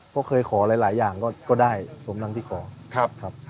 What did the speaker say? เพราะเคยขอหลายหลายอย่างก็ก็ได้สมดังที่ขอครับครับ